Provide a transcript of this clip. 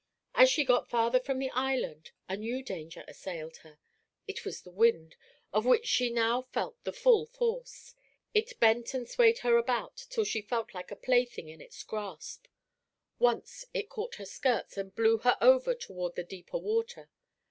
As she got farther from the island, a new danger assailed her. It was the wind, of which she now felt the full force. It bent and swayed her about till she felt like a plaything in its grasp. Once it caught her skirts and blew her over toward the deeper water.